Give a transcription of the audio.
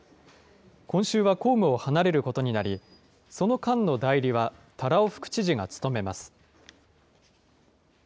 今週は公務を離れることになり、その間の代理は、多羅尾副知事が務めます。